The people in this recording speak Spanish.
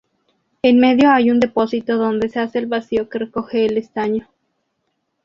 En medio hay un depósito donde se hace el vacío que recoge el estaño.